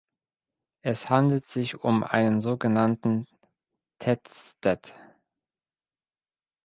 Es handelt sich um einen sogenannten Tettsted.